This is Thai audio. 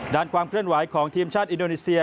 ด้านความเคลื่อนไหวของทีมชาติอินโดนีเซีย